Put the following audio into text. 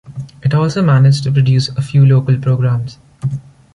It also managed to produce a few local programs.